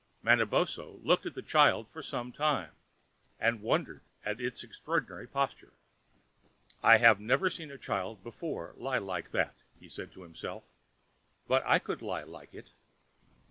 Manabozho looked at the child for some time, and wondered at its extraordinary posture. "I have never seen a child before lie like that," said he to himself, "but I could lie like it."